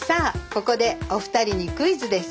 ここでお二人にクイズです。